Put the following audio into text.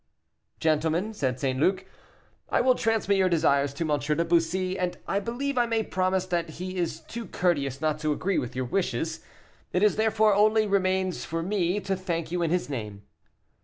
"Gentlemen," said St. Luc, "I will transmit your desires to M. de Bussy, and I believe I may promise that he is too courteous not to agree to your wishes. It therefore only remains for me to thank you in his name."